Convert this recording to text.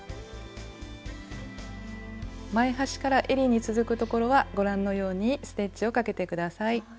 前端からえりに続くところはご覧のようにステッチをかけて下さい。